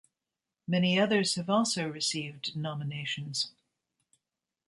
Many others have also received nominations.